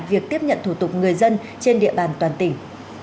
việc tiếp nhận thủ tục người dân trên địa bàn toàn tỉnh